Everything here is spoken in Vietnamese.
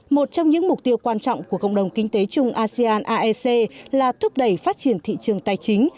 một trong những mục tiêu quan trọng của cộng đồng kinh tế chung asean aec là thúc đẩy phát triển thị trường tài chính